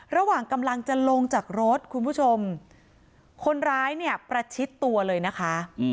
ระหว่างกำลังจะลงจากรถคุณผู้ชมคนร้ายเนี่ยประชิดตัวเลยนะคะ